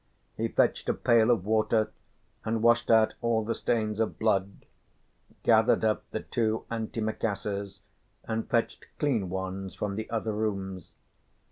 He fetched a pail of water and washed out all the stains of blood, gathered up the two antimacassars and fetched clean ones from the other rooms.